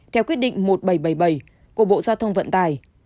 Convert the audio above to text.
theo quyết định một nghìn bảy trăm bảy mươi bảy của bộ giao thông vận tải